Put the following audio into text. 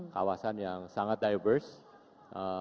kawasan yang sangat diverse